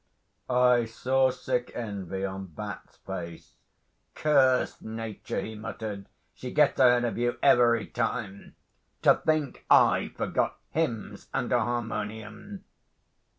I saw sick envy on Bat's face. 'Curse Nature,' he muttered. 'She gets ahead of you every time. To think I forgot hymns and a harmonium!'